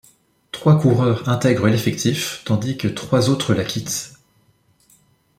Trois coureurs intègrent l'effectif, tandis que trois autres la quittent.